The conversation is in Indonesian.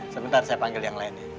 sebentar saya panggil yang lain